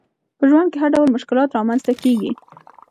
په ژوند کي هرډول مشکلات رامنځته کیږي